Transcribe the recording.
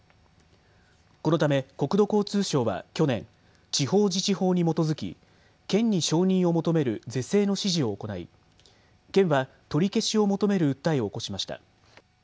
このため国土交通省は去年、地方自治法に基づき県に承認を求める是正の指示を行い県は取り消しを求める訴えを起こしました。